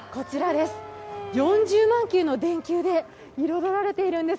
４０万球の電球で彩られているんです。